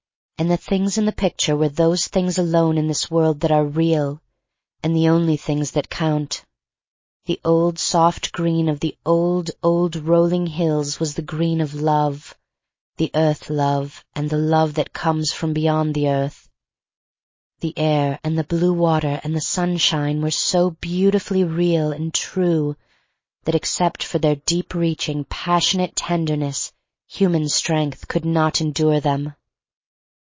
And the things in the picture were those things alone in this world that are real, and the only things that count. The old, soft green of the old, old rolling hills was the green of love — the earth love and the love that comes from beyond the earth. The air THE STORY OF MARY MAC LANE 233 and the blue water and the sunshine were so beautifully real and true that except for their deep reaching, passion ate tenderness human strength could not endure them.